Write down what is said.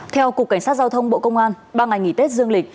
theo cục cảnh sát giao thông bộ công an ba ngày nghỉ tết dương lịch